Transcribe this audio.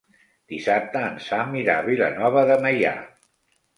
Dissabte en Sam irà a Vilanova de Meià.